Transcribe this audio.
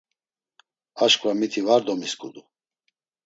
Aşǩva miti var domisǩudu.